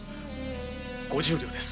五十両です。